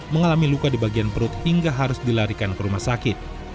mengalami luka di bagian perut hingga harus dilarikan ke rumah sakit